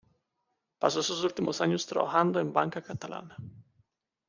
Pasó sus últimos años trabajando en Banca Catalana.